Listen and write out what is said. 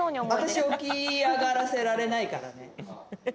私起き上がらせられないからね。